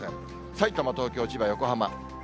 さいたま、東京、千葉、横浜。